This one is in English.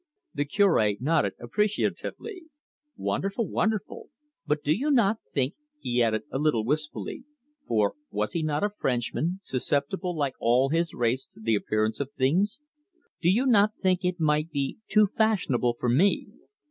The Cure nodded appreciatively. "Wonderful! Wonderful! But do you not think," he added, a little wistfully for, was he not a Frenchman, susceptible like all his race to the appearance of things? "do you not think it might be too fashionable for me?"